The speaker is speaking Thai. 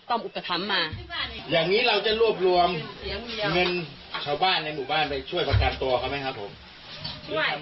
ต้องอุปฐำมาอย่างนี้เราจะรวบรวมเงินชาวบ้านในหมู่บ้านไปช่วยกับการตัว